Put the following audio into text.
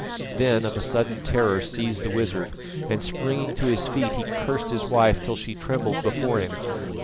Then of a sudden terror seized the wizard, and springing to his feet, he cursed his wife till she trembled before him.